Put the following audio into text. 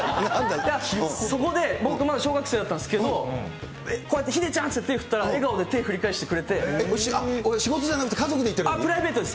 そこで、僕、まだ小学生だったんですけど、こうやってヒデちゃんって手を振ったら、笑顔で手を振り返してく仕事じゃなくて、俺家族で行ってるとき？